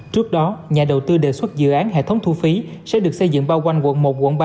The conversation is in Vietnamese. trước đó nhà đầu tư đề xuất dự án hệ thống thu phí sẽ được xây dựng bao quanh quận một quận ba